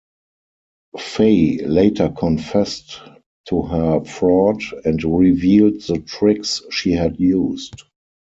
Fay later confessed to her fraud and revealed the tricks she had used.